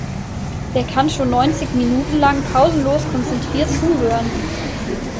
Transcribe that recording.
Wer kann schon neunzig Minuten lang pausenlos konzentriert zuhören?